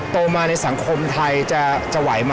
โตมาในสังคมไทยจะไหวไหม